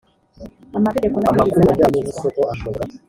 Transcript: amategeko n ‘amabwiriza arakurikizwa.